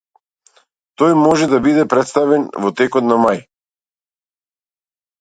Тој може да биде претставен во текот на мај